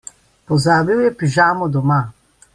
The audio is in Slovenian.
Pozabil je pižamo doma.